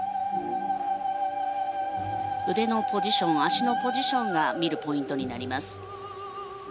腕のポジション足のポジションが見るポイントになります。